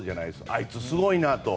あいつ、すごいなと。